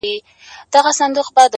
پر مخ وريځ _